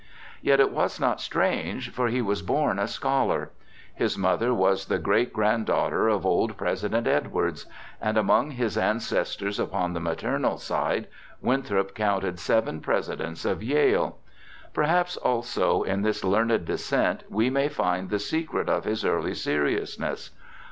Yet it was not strange, for he was born a scholar. His mother was the great granddaughter of old President Edwards; and among his ancestors upon the maternal side, Winthrop counted seven Presidents of Yale. Perhaps also in this learned descent we may find the secret of his early seriousness.